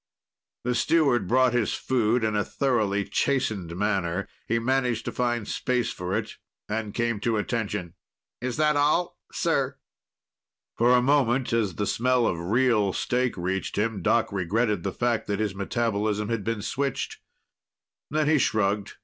The steward brought his food in a thoroughly chastened manner. He managed to find space for it and came to attention. "Is that all sir?" For a moment, as the smell of real steak reached him, Doc regretted the fact that his metabolism had been switched. Then he shrugged.